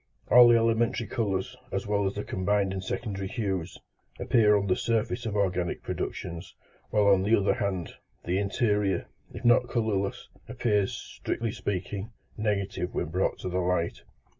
All the elementary colours, as well as the combined and secondary hues, appear on the surface of organic productions, while on the other hand, the interior, if not colourless, appears, strictly speaking, negative when brought to the light.